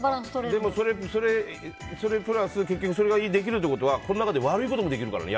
でも、それプラスそれができるってことはこの中で悪いこともできるからね。